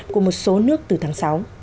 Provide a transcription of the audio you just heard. của một số nước từ tháng sáu